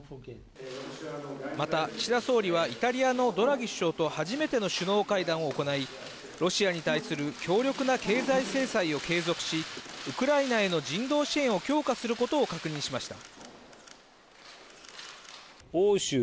また岸田総理はイタリアのドラギ首相と初めての首脳会談を行い、ロシアに対する強力な経済制裁を継続し、ウクライナへの人道支援を強化することを確認しました。